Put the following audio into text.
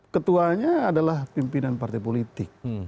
ketuanya adalah pimpinan partai politik